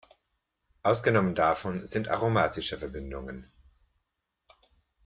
Ausgenommen davon sind aromatische Verbindungen.